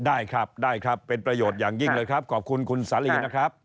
ได้ครับได้ครับเป็นประโยชน์อย่างยิ่งเลยครับขอบคุณคุณสาลีนะครับ